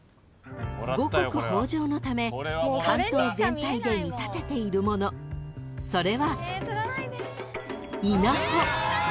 ［五穀豊穣のため竿燈全体で見立てているものそれは］